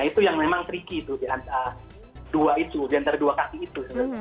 itu yang memang tricky itu di antara dua itu diantara dua kaki itu